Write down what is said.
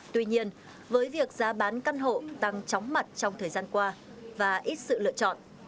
tuy nhiên với việc giá bán căn hộ tăng chóng mặt trong thời gian qua và ít sự lựa chọn